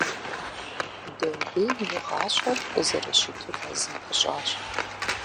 Домбейм и гъащӏэр зэрыщыту мэзым пыщӏащ.